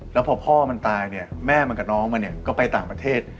แล้วพอพ่อมันตายเนี่ยแม่มันกับน้องมันเนี่ยก็ไปต่างประเทศ